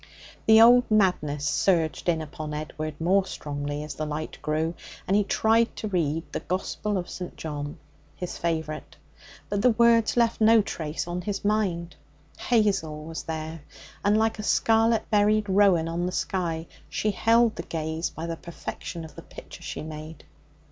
The old madness surged in upon Edward more strongly as the light grew, and he tried to read the Gospel of St. John (his favourite), but the words left no trace on his mind. Hazel was there, and like a scarlet berried rowan on the sky she held the gaze by the perfection of the picture she made.